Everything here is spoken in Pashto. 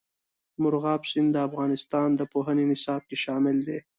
مورغاب سیند د افغانستان د پوهنې نصاب کې شامل دی.